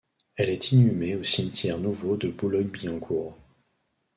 Elle est inhumée au cimetière nouveau de Boulogne-Billancourt.